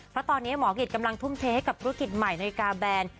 เพราะตอนนี้หมอกฤทธิ์กำลังพุ่งเทกกับฤทธิ์ใหม่ในกาแบรนด์